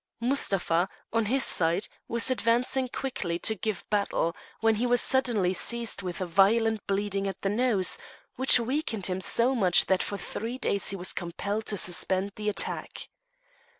Mustapha, on his side, was advancing quickly to give battle, when he was suddenly seized with a violent bleeding at the nose, which weakened him so much that for three days he was compelled to suspend the attack.